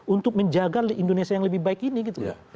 untuk menjaga indonesia yang lebih baik ini gitu loh